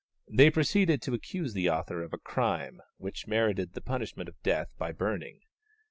They proceeded to accuse the author of a crime which merited the punishment of death by burning.